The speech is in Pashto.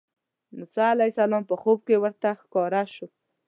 موسی علیه السلام په خوب کې ورته ښکاره شو.